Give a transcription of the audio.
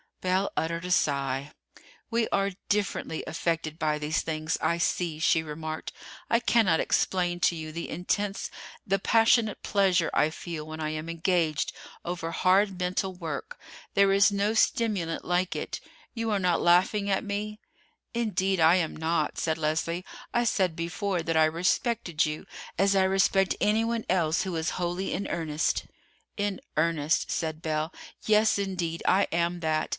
Belle uttered a sigh. "We are differently affected by these things, I see," she remarked. "I cannot explain to you the intense, the passionate pleasure I feel when I am engaged over hard mental work. There is no stimulant like it. You are not laughing at me?" "Indeed I am not," said Leslie. "I said before that I respected you as I respect anyone else who is wholly in earnest." "In earnest," said Belle; "yes, indeed, I am that.